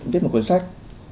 viết một cuốn sách